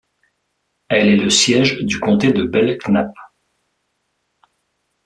Elle est le siège du comté de Belknap.